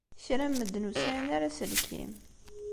Kra n medden ur sɛin ara aselkim.